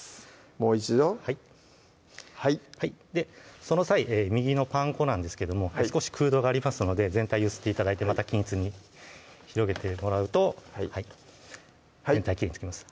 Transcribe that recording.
もう一度その際右のパン粉なんですけども少し空洞がありますので全体揺すって頂いてまた均一に広げてもらうと全体きれいに付きます